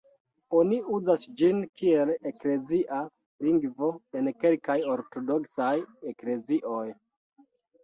Oni uzas ĝin kiel eklezia lingvo en kelkaj Ortodoksaj eklezioj.